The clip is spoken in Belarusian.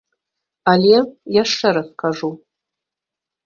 Але, яшчэ раз кажу.